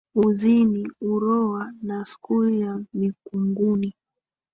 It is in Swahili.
Uzini, Uroa na Skuli ya Mikunguni.